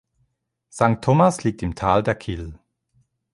Sankt Thomas liegt im Tal der Kyll.